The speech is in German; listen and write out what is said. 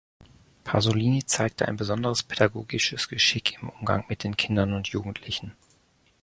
Pasolini zeigte ein besonderes pädagogisches Geschick im Umgang mit den Kindern und Jugendlichen.